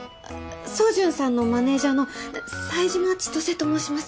宗純さんのマネージャーの冴島千歳と申します。